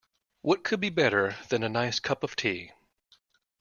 What could be better than a nice cup of tea?